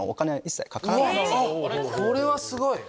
それはすごい！